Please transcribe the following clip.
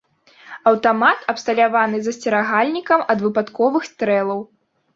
Аўтамат абсталяваны засцерагальнікам ад выпадковых стрэлаў.